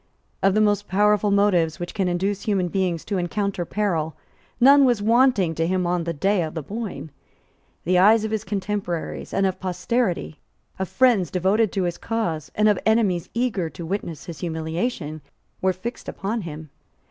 Of the most powerful motives which can induce human beings to encounter peril none was wanting to him on the day of the Boyne. The eyes of his contemporaries and of posterity, of friends devoted to his cause and of enemies eager to witness his humiliation, were fixed upon him.